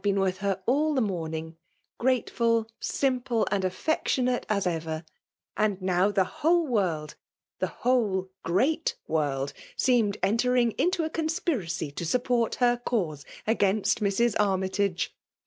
iiad heen with her all the mondng ; gratefid, simple, and affectioiiate as ever: and now, the whole world — tiie whole great world — seemed entering into a conspiracy to support her cause against Mrs. Armytage.